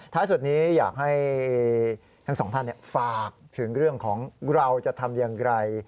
สุดนี้อยากให้ทั้งสองท่านฝากถึงเรื่องของเราจะทำอย่างไร